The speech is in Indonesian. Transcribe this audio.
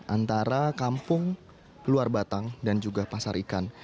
antara kampung luar batang dan juga pasar ikan